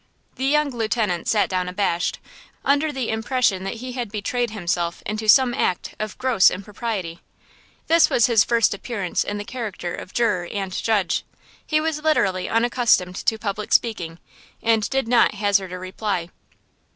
The young lieutenant sat down abashed, under the impression that he had betrayed himself into some act of gross impropriety. This was his first appearance in the character of juror and judge; he was literally unaccustomed to public speaking, and did not hazard a reply.